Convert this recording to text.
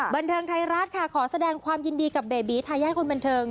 บันเทิงไทยรัฐค่ะขอแสดงความยินดีกับเบบีทายาทคนบันเทิง